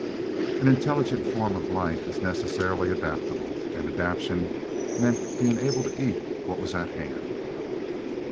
An intelligent form of life is necessarily adaptable, and adaptation meant being able to eat what was at hand.